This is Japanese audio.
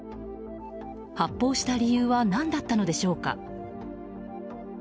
発砲した理由は何だったのでしょうか。